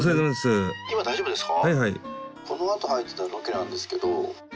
「今大丈夫ですか？」